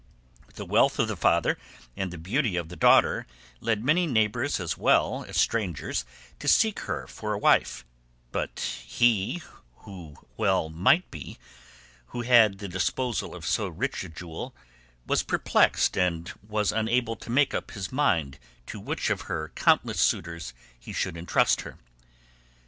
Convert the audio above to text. The wealth of the father and the beauty of the daughter led many neighbours as well as strangers to seek her for a wife; but he, as one might well be who had the disposal of so rich a jewel, was perplexed and unable to make up his mind to which of her countless suitors he should entrust her.